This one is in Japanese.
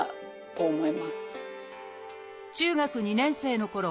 中学２年生のころ